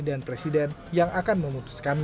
dan presiden yang akan memutuskannya